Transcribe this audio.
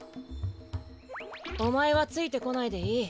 おまえはついてこないでいい。